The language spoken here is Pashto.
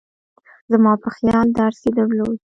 زما په خیال درس یې درلود.